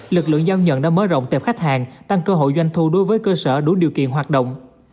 lực lượng giao nhận đã mở rộng tip khách hàng tăng cơ hội doanh thu đối với cơ sở đủ điều kiện hoạt động